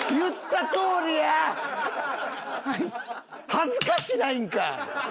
恥ずかしないんか？